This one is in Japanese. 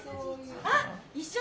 あっ！